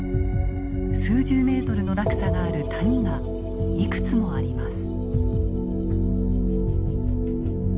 数十メートルの落差がある谷がいくつもあります。